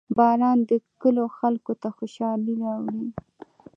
• باران د کلیو خلکو ته خوشحالي راوړي.